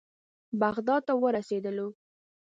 بغداد ته ورسېدلو.